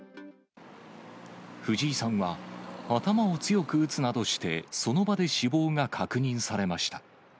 藤井さんは、頭を強く打つなどしてその場で死亡が確認されました。